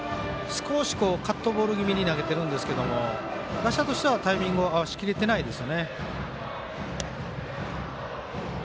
少しカットボール気味に投げてるんですけど打者としてはタイミングを合わしきれてないですね。